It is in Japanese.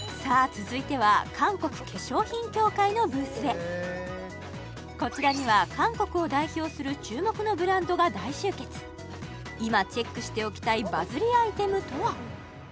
続いては韓国化粧品協会のブースへこちらには韓国を代表する注目のブランドが大集結今チェックしておきたいバズりアイテムとは？